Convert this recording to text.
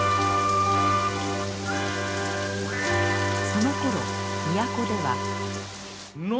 そのころ都では。何！？